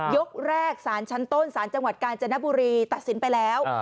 ยกแรกสารชั้นต้นสารจังหวัดกาญจนบุรีตัดสินไปแล้ว